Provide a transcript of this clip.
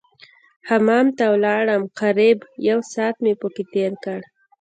حمام ته ولاړم قريب يو ساعت مې پکښې تېر کړ.